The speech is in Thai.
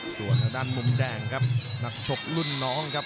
ส่วนทางด้านมุมแดงครับนักชกรุ่นน้องครับ